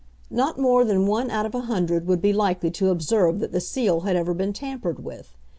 Not more than one out of a hundred would be likely to observe that the seal had ever been tampered with.